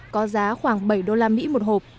có giá khoảng bảy đô la mỹ một hộp